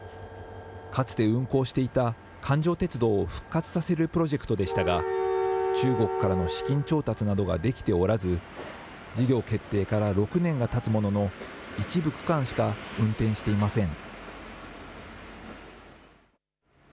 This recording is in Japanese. かつて運行していた環状鉄道を復活させるプロジェクトでしたが、中国からの資金調達などができておらず、事業決定から６年がたつものの、一部区間しか運転していません。